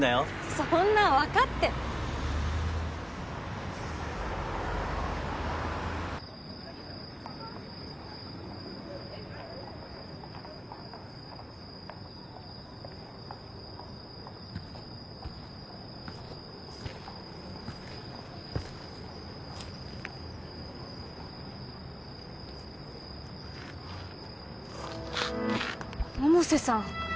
そんな分かって百瀬さん